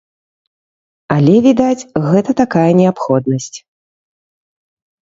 Але, відаць, гэта такая неабходнасць.